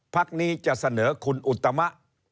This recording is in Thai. พักนี้จะเสนอคุณอุตมะ